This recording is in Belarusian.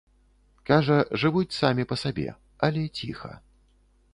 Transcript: Кажа, жывуць самі па сабе, але ціха.